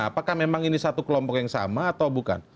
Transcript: apakah memang ini satu kelompok yang sama atau bukan